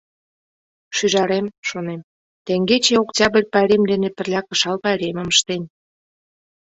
Шӱжарем, шонем, теҥгече Октябрь пайрем дене пырля кышал пайремым ыштен.